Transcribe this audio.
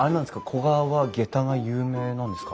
古河はげたが有名なんですか？